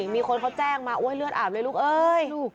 มีคนเขาแจ้งมาเลือดอาบเลยลูกเอ้ย